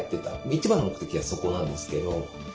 一番の目的はそこなんですけど。